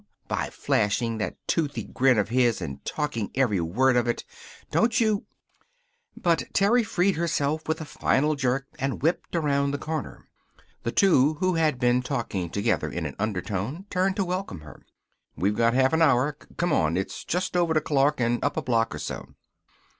By flashing that toothy grin of his and talking every word of it. Don't you " But Terry freed herself with a final jerk and whipped around the counter. The two, who had been talking together in an undertone, turned to welcome her. "We've got a half hour. Come on. It's just over to Clark and up a block or so."